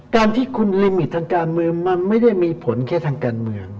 การที่คุณลิมิตทางการเมืองมันไม่ได้มีผลแค่ทางการเมือง